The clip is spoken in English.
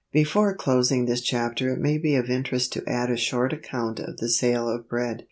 Before closing this chapter it may be of interest to add a short account of the sale of bread.